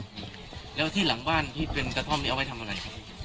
แล้วที่หลังบ้านที่เป็นกระท่อมนี้เอาไว้ทำอะไรครับ